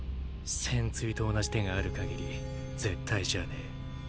戦鎚と同じ手がある限り絶対じゃねぇ。